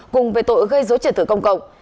cùng về tội gây dối trật tự công cộng